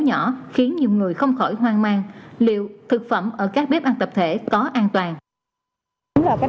nhỏ khiến nhiều người không khỏi hoang mang liệu thực phẩm ở các bếp ăn tập thể có an toàn